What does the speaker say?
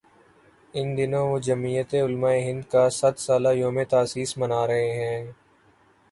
ان دنوں وہ جمعیت علمائے ہندکا صد سالہ یوم تاسیس منا رہے ہیں۔